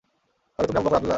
তাহলে তুমি আবু বকর আবদুল্লাহ?